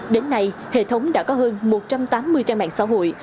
đến nay hệ thống đã có hơn một trăm tám mươi trang mạng xã hội